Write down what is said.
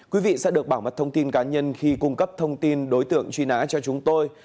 quý vị sẽ được bảo mật thông tin cá nhân khi cung cấp thông tin đối tượng truy nã cho chúng tôi